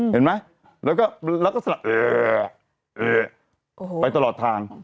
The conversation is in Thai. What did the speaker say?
เห็นไหมแล้วก็สลับไปตลอดทาง